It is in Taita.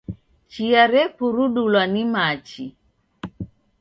Chia rekurudulwa ni machi.